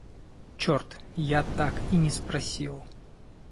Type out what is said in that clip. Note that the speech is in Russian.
Черт, я так и не спросил.